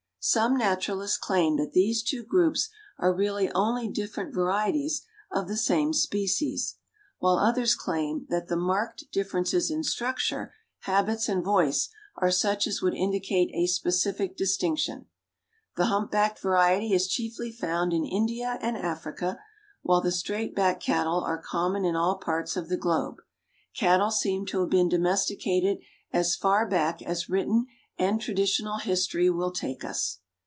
Some naturalists claim that these two groups are really only different varieties of the same species, while others claim that the marked differences in structure, habits and voice are such as would indicate a specific distinction. The hump backed variety is chiefly found in India and Africa, while the straight backed cattle are common in all parts of the globe. Cattle seem to have been domesticated as far back as written and traditional history will take us.